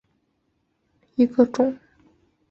华丽章鱼为章鱼科丽蛸属下的一个种。